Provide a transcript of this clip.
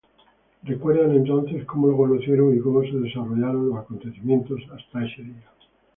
Recuerdan entonces cómo lo conocieron y cómo se desarrollaron los acontecimientos hasta ese día.